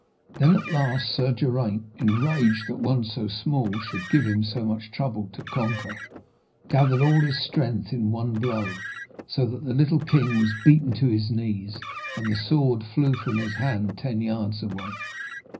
Then at last Sir Geraint, enraged that one so small should give him so much trouble to conquer, gathered all his strength in one blow, so that the little king was beaten to his knees, and the sword flew from his hand ten yards away.